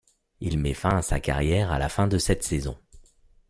Il met fin à sa carrière à la fin de cette saison.